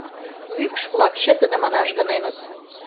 Мӱкш-влак чытыдымын ажгыненыт.